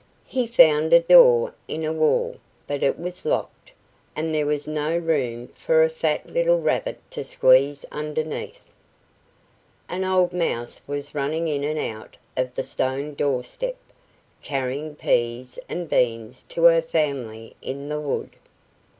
He found a door in a wall; but it was locked, and there was no room for a fat little rabbit to squeeze underneath. An old mouse was running in and out over the stone doorstep, carrying peas and beans to her family in the wood.